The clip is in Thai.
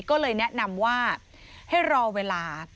ก็เลยแนะนำว่าให้รอเวลา